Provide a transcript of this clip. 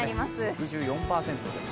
６４％です。